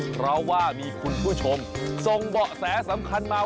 เพราะว่ามีคุณผู้ชมส่งเบาะแสสำคัญมา